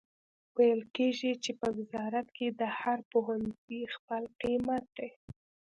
ویل کیږي چې په وزارت کې د هر پوهنځي خپل قیمت دی